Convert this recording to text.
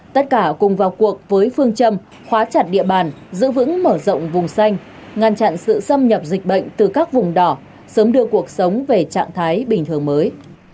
tất cả cùng vào cuộc với phương châm khóa chặt địa bàn giữ vững mở rộng vùng xanh ngăn chặn sự xâm nhập dịch bệnh từ các vùng đỏ sớm đưa cuộc sống về trạng thái bình thường mới